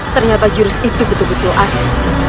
ternyata jurus itu betul betul asik